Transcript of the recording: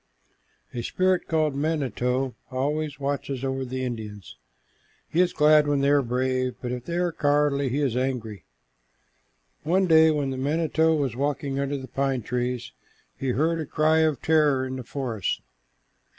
A spirit called the manito always watches over the Indians. He is glad when they are brave, but if they are cowardly, he is angry. One day when the manito was walking under the pine trees, he heard a cry of terror in the forest.